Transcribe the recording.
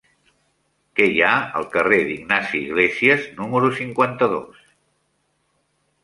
Què hi ha al carrer d'Ignasi Iglésias número cinquanta-dos?